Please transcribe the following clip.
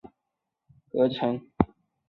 该建筑系两栋单独的房子合并而成。